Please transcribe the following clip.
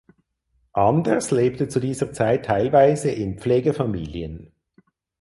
Anders lebte zu dieser Zeit teilweise in Pflegefamilien.